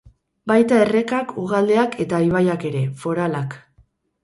Baita errekak, ugaldeak eta ibaiak ere, foralak.